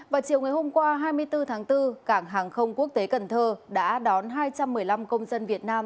vào chiều ngày hôm qua hai mươi bốn tháng bốn cảng hàng không quốc tế cần thơ đã đón hai trăm một mươi năm công dân việt nam